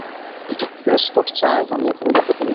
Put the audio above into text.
Prescott চায় আমি এখনই দেখা করি।